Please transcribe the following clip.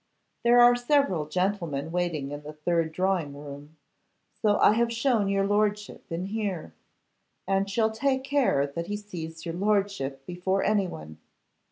There are several gentlemen waiting in the third drawing room; so I have shown your lordship in here, and shall take care that he sees your lordship before anyone.